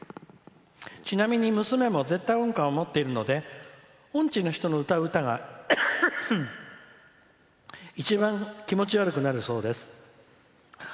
ちなみに娘も絶対音感を持っているので音痴の人が歌う歌が一番、気持ち悪くなるそうです。